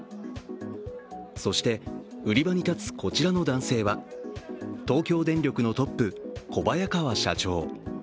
そして売り場に立つこちらの男性は東京電力のトップ、小早川社長。